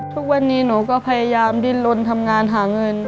ทุกวันนี้หนูก็พยายามดินลนทำงานหาเงิน